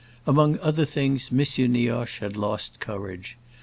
Among other things M. Nioche had lost courage.